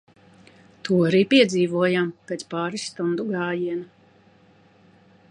To arī piedzīvojām pēc pāris stundu gājiena.